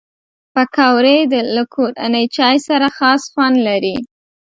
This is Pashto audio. پکورې له کورني چای سره خاص خوند لري